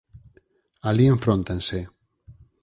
Alí enfróntanse.